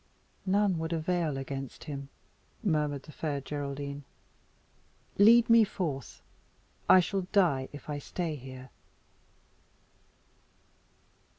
"None would avail against him," murmured the Fair Geraldine. "Lead me forth; I shall die if I stay here."